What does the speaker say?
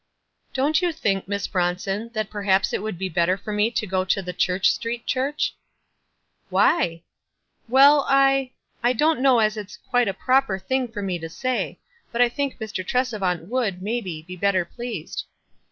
"Don't you think, Miss Bronson, that per 80 WISE AND OTHERWISE. haps it would be better for me to go to the Church Street Church?" "Why?" "Well, I — I don't know as it's quite a proper thing for rue to say ; but I think Mr. Tresevant would, maybe, be better pleased."